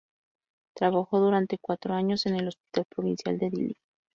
Trabajó durante cuatro años en el Hospital Provincial de Dili.